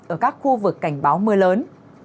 ở các khu vực cảnh báo mưa lớn